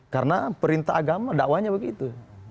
karena perintah agama dakwahnya begitu